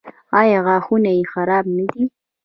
ایا غاښونه یې خراب نه دي؟